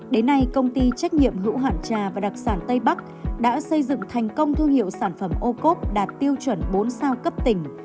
đến nay công ty trách nhiệm hữu hạn trà và đặc sản tây bắc đã xây dựng thành công thương hiệu sản phẩm ô cốp đạt tiêu chuẩn bốn sao cấp tỉnh